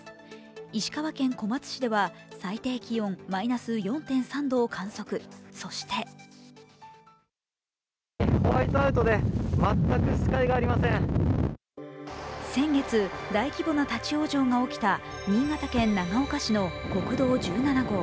石川県小松市では最低気温マイナス４．３度を観測、そして先月、大規模な立往生が起きた新潟県長岡市の国道１７号。